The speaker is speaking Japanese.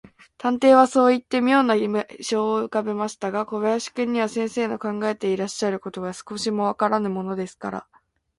探偵はそういって、みょうな微笑をうかべましたが、小林君には、先生の考えていらっしゃることが、少しもわからぬものですから、